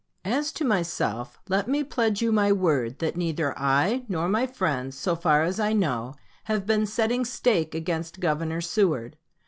"As to myself, let me pledge you my word that neither I nor my friends, so far as I know, have been setting stake against Governor Seward.